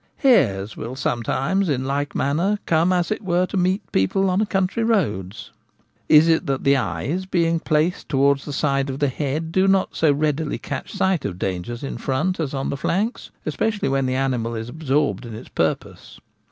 Hares will sometimes, in like manner, come as it were to meet people on country roads. Is it that the eyes, being placed towards the side of the head, do not so readily catch sight of dangers in front as on the flanks, especially when the animal is absorbed in its purpose